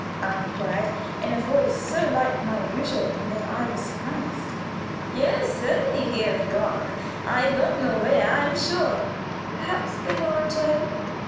I inquired, in a voice so like my usual one that I was surprised. "Yes, certainly he is gone. I don't know where, I am sure." "Perhaps they will return?"